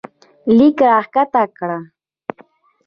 لیک راښکته کړه